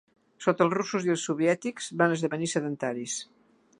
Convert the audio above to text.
Sota els russos i soviètics van esdevenir sedentaris.